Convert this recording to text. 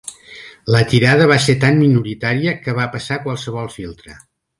La tirada va ser tan minoritària que va passar qualsevol filtre.